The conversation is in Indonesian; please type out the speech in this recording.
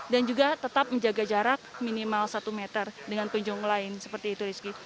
dan juga tetap menjaga jarak minimal satu meter dengan penjual lain seperti itu